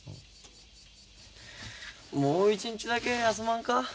もう一日だけ休まんか？